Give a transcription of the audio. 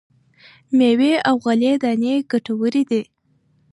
مېوې او غلې دانې ګټورې دي.